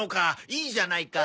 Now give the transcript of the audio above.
いいじゃないか。